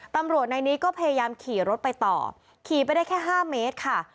ตำรวจในนี้ก็พยายามขี่รถไปต่อขี่ไปได้แค่๕เมตรค่ะ